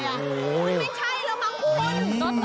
ไม่ใช่เหรอมั้งคุณ